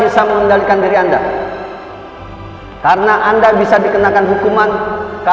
sampai jumpa di video selanjutnya